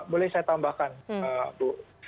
boleh saya tambahkan bu